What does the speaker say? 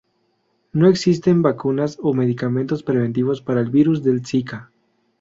No existen vacunas o medicamentos preventivos para el virus del Zika.